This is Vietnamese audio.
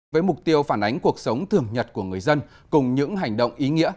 với mục tiêu phản ánh cuộc sống thường nhật của người dân cùng những hành động ý nghĩa